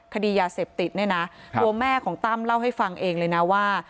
คดียาเสพติดเนี่ยนะตัวแม่ของตั้มเล่าให้ฟังเองเลยนะว่า